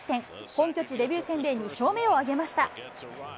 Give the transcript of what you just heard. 本拠地デビュー戦で２勝目を挙げました。